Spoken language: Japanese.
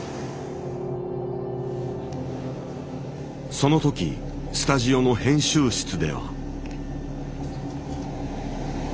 その時スタジオの編集室では。